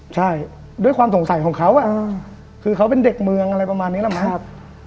ใช่ด้วยความสงสัยของเขาคือเขาเป็นเด็กเมืองอะไรประมาณนี้แหละมั้ง